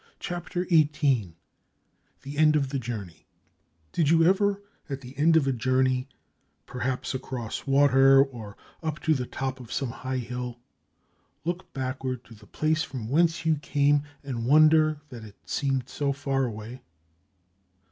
CHAPTER EIGHTEEN The End of the Journey Did you ever, at the end of a journey—perhaps across water, or up to the top of some high hill—look backward to the place from whence you came, and wonder that it seemed so far away?